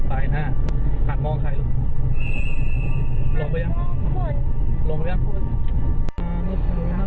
ใครมาตามหนูอ่ะ